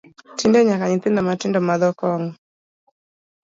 Tinde nyaka nyithindo mathindo madho kong’o